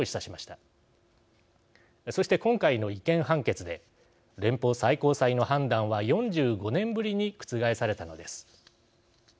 そして今回の違憲判決で連邦最高裁の判断は４５年ぶりに覆されたのです。